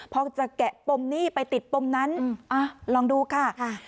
พอจะแกะปมหนี้ไปติดปมนั้นลองดูค่ะ